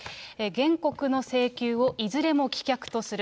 原告の請求をいずれも棄却とする。